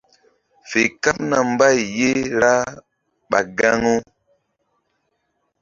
Fe kaɓna mbay ye ra ɓah gaŋu.